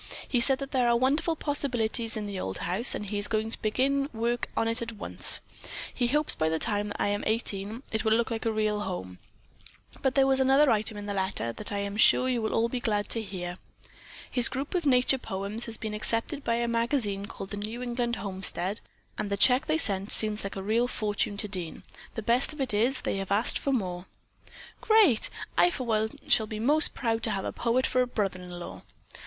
He said that there are wonderful possibilities in the old house and that he is going to begin work on it at once. He hopes that by the time I am eighteen, it will look like a real home; but there was another item in the letter that I am sure you will all be glad to hear. His group of nature poems has been accepted by a magazine called The New England Homestead, and the check they sent seems like a real fortune to Dean. The best of it is, they have asked for more." "Great! I for one shall be most proud to have a poet for a brother in law."